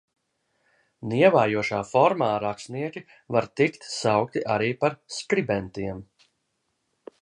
Nievājošā formā rakstnieki var tikt saukti arī par skribentiem.